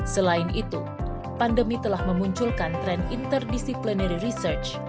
selain itu pandemi telah memunculkan tren interdiciplinary research